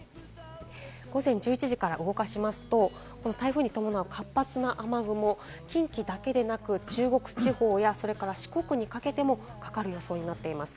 午前１１時から動かしますと、台風に伴う活発な雨雲、近畿だけでなく、中国地方や四国にかけてもかかる予想になっています。